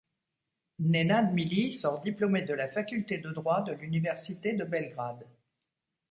Nenad Milić sort diplômé de la Faculté de droit de l'université de Belgrade.